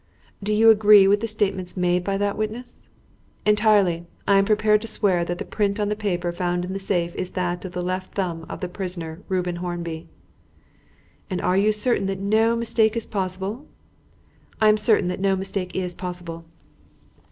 "Do you agree with the statements made by that witness?" "Entirely. I am prepared to swear that the print on the paper found in the safe is that of the left thumb of the prisoner, Reuben Hornby." "And you are certain that no mistake is possible?" "I am certain that no mistake is possible."